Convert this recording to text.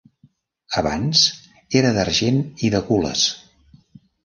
Abans era d'argent i de gules.